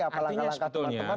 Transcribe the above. apa langkah langkah teman teman